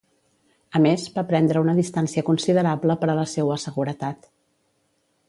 A més, va prendre una distància considerable per a la seua seguretat.